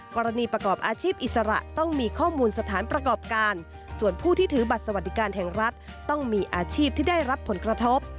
ประกอบอาชีพอิสระต้องมีข้อมูลสถานประกอบการส่วนผู้ที่ถือบัตรสวัสดิการแห่งรัฐต้องมีอาชีพที่ได้รับผลกระทบ